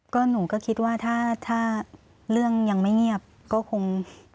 ก็หนูก็คิดว่าถ้าเรื่องยังไม่เงียบก็คง